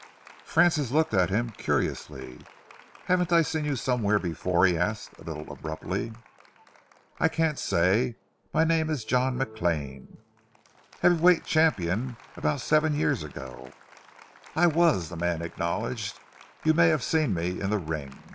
Francis looked at him curiously. "Haven't I seen you somewhere before?" he asked, a little abruptly. "I can't say. My name is John Maclane." "Heavy weight champion about seven years ago?" "I was," the man acknowledged. "You may have seen me in the ring.